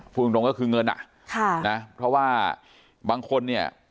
พูดตรงก็คือเงินอ่ะค่ะนะเพราะว่าบางคนเนี่ย